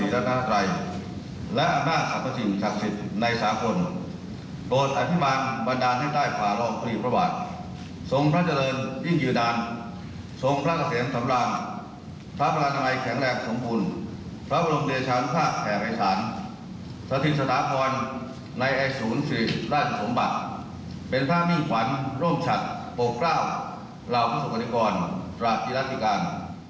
ร่วมชัดโปรเวอร์เกล้าเหล่าพฤศพฤศพหลิกรรมหรัฐฤษฐิการ